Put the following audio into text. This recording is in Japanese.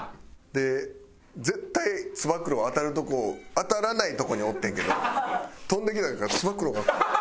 で絶対つば九郎当たるとこ当たらないとこにおってんけど飛んできたからつば九郎が。